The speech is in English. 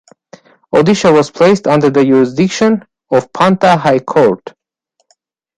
Odisha was placed under the jurisdiction of Patna High Court.